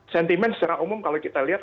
sentimen secara umum kalau kita lihat